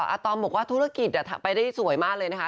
อาตอมบอกว่าธุรกิจไปได้สวยมากเลยนะคะ